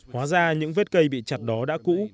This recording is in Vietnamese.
hóa ra những vết cây bị chặt đó đã cũ